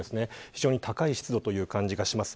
非常に高い湿度という感じがします。